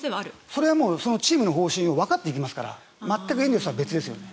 それはチームの方針をわかっていきますから全くエンゼルスは別ですね。